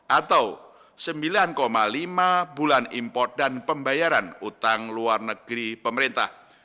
atau sembilan lima bulan import dan pembayaran utang luar negeri pemerintah